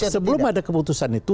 sebelum ada keputusan itu